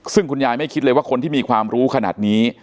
ซึ่งคุณยายไม่คิดเลยว่าคนที่มีความรู้ขนาดนี้